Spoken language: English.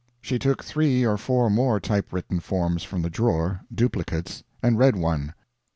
She took three or four more typewritten forms from the drawer duplicates and read one